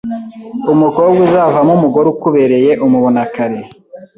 Umukobwa uzavamo umugore ukubereye umubona kare,